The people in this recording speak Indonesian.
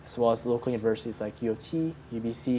serta universitas lokal seperti uot ubc